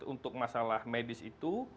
untuk masalah medis itu